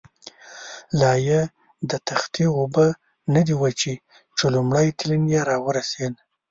لایې د تختې اوبه نه دي وچې، چې لومړی تلین یې را ورسېد.